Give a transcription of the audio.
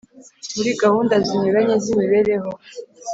Murigahunda zinyuranye zimibereho